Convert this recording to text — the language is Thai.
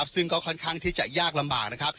ซึ่งก็ค่อนข้างที่จะยากลำบาก